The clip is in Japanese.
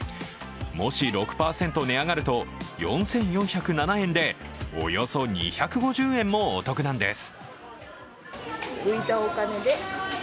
もし６％値上がると４４０７円でおよそ２５０円もお得なんです。